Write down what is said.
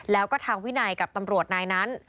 แล้วก็ทางวินัยกับตำรวจนายนั้น